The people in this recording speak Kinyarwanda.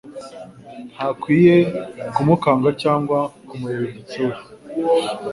ntakwiye kumukanga cyangwa kumureba igitsur